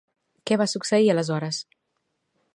Què va succeir aleshores?